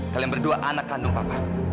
kalian berdua anak kandung papa